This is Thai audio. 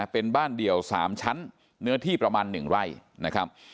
เป็นบ้านเดี่ยว๓ชั้นเนื้อที่ประมาณ๑ไร่นะครับ